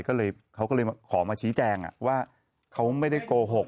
ก็เลยเขาก็เลยขอมาชี้แจงว่าเขาไม่ได้โกหก